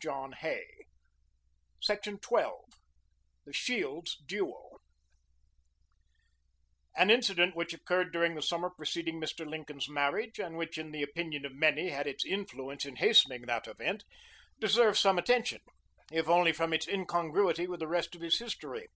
68.] CHAPTER XII THE SHIELDS DUEL An incident which occurred during the summer preceding Mr. Lincoln's marriage, and which in the opinion of many had its influence in hastening that event, deserves some attention, if only from its incongruity with the rest of his history.